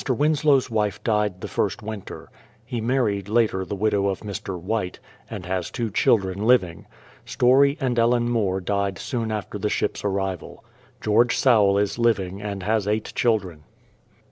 Winslow's wife died the first winter. He married later the widow of Mr. White, and has two children living. Story and Ellen More died soon after the ship's arrival. George Sowle is living and has eight children.